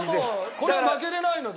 これは負けられないので。